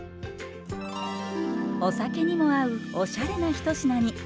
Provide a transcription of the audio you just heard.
お酒にも合うおしゃれな一品に。